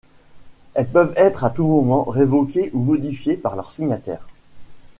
Elles peuvent être à tout moment révoquées ou modifiées par leur signataire.